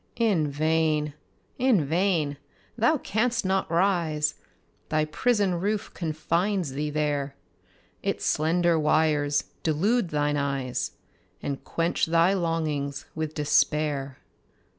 In vain in vain! Thou canst not rise: Thy prison roof confines thee there; Its slender wires delude thine eyes, And quench thy longings with despair.